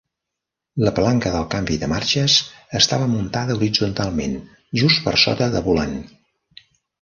La palanca del canvi de marxes estava muntada horitzontalment just per sota de volant.